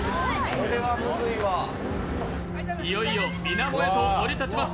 いよいよ水面へと降り立ちます。